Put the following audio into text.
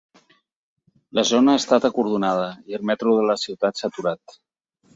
La zona ha estat acordonada i el metro de la ciutat s’ha aturat.